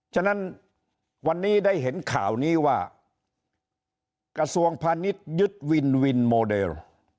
ฉะนั้นวันนี้ได้เห็นข่าวนี้ว่ากระทรวงพาณิชยึดวินวินโมเดล